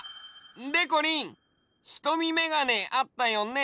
でこりんひとみメガネあったよね？